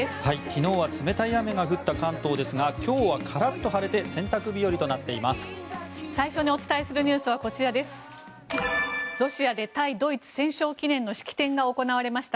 昨日は冷たい雨が降った関東ですが今日はカラッと晴れて洗濯日和となっています。